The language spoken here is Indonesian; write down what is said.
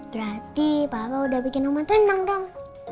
berarti papa udah bikin oma tenang dong